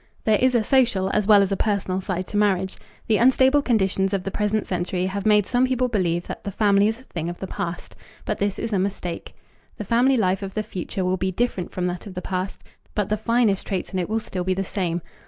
There is a social as well as a personal side to marriage. The unstable conditions of the present century have made some people believe that the family is a thing of the past, but this is a mistake. The family life of the future will be different from that of the past, but the finest traits in it will still be the same.